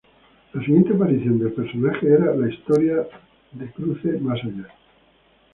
La siguiente aparición del personaje era la historia de cruce más allá!